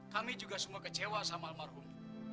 kami juga semua kecewa sama almarhum